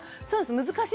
難しい。